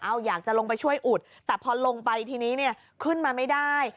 เอาอยากจะลงไปช่วยอุดแต่พอลงไปทีนี้เนี่ยขึ้นมาไม่ได้